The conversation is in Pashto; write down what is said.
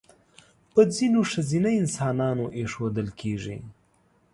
په ځینو ښځینه انسانانو اېښودل کېږي.